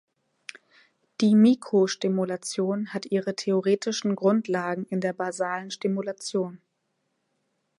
Die Mikro-Stimulation hat ihre theoretischen Grundlagen in der Basalen Stimulation.